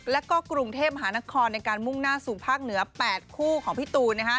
แล้วก็กรุงเทพมหานครในการมุ่งหน้าสู่ภาคเหนือ๘คู่ของพี่ตูน